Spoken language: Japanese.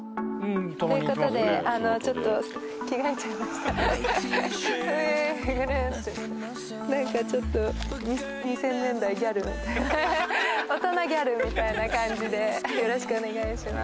仕事でということでちょっとグルーってなんかちょっと２０００年代ギャルみたいな大人ギャルみたいな感じでよろしくお願いしまーす